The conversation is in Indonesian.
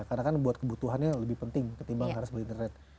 karena kan buat kebutuhannya lebih penting ketimbang harus beli internet